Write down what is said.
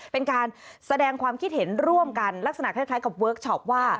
เป็นการแสดงความคิดเห็นร่วมกันลักษณะคล้ายกับเวิร์คชอปว่า